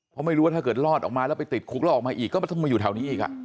เพราะไม่รู้ว่าถ้าเกิดรอดออกมาแล้วไปติดคุกแล้วออกมาอีกก็ไม่ต้องมาอยู่แถวนี้อีก